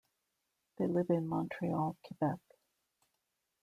They live in Montreal, Quebec.